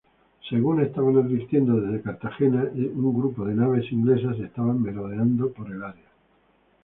Según estaban advirtiendo desde Cartagena, un grupo de naves inglesas estaban merodeando el área.